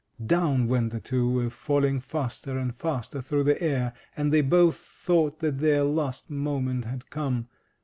Down went the two, falling faster and faster through the air, and they both thought that their last moment had come.